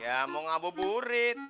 ya mau ngabur burit